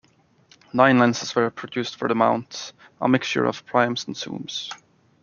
Nine lenses were produced for the mount, a mixture of primes and zooms.